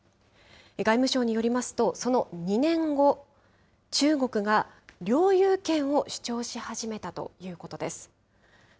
外務省によりますと、その２年後、中国が領有権を主張し始めたということです。